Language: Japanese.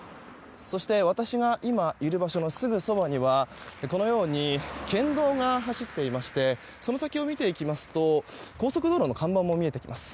そして、私が今いる場所のすぐそばにはこのように県道が走っていましてその先を見ていきますと高速道路の看板も見えてきます。